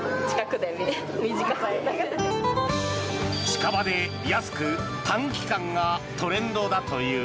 近場で安く短期間がトレンドだという。